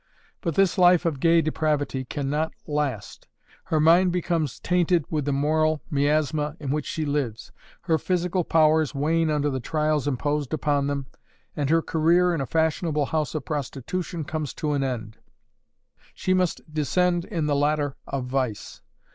But this life of gay depravity can not last; her mind becomes tainted with the moral miasma in which she lives; her physical powers wane under the trials imposed upon them, and her career in a fashionable house of prostitution comes to an end; she must descend in the ladder of vice.